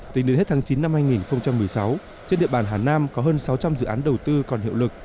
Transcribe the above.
tính đến hết tháng chín năm hai nghìn một mươi sáu trên địa bàn hà nam có hơn sáu trăm linh dự án đầu tư còn hiệu lực